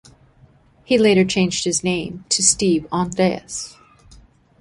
He later changed his name to Steve Andreas.